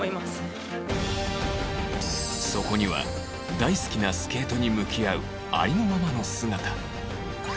そこには大好きなスケートに向き合うありのままの姿